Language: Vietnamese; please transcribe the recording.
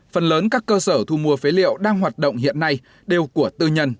phần lớn các cơ sở thu mua phế liệu đang hoạt động hiện nay đều của tư nhân